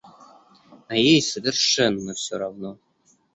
А ей совершенно всё равно.